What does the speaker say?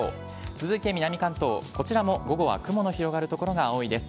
続いて南関東、こちらも午後は雲の広がる所が多いです。